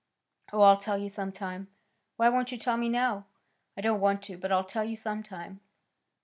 "Oh, I'll tell you some time." "Why won't you tell me now?" "I don't want to; but I'll tell you some time."